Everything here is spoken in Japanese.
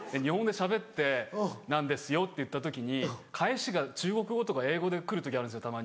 日本語でしゃべってて「なんですよ」って言った時に返しが中国語とか英語で来る時あるんですよ